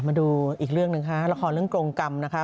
มาดูอีกเรื่องหนึ่งค่ะละครเรื่องกรงกรรมนะคะ